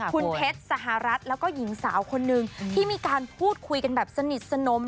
คุณเพชรสหรัฐแล้วก็หญิงสาวคนนึงที่มีการพูดคุยกันแบบสนิทสนม